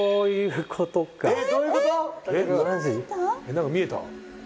何か見えた？